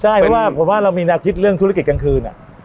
ใช่เพราะว่าเรามีนาภิกษ์เรื่องธุรกิจกลางคืนอ่ะ